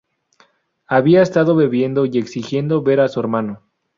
Había estado bebiendo y exigiendo ver a su hermano.